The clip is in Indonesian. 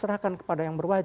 serahkan kepada yang berwajib